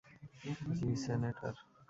জি, senator.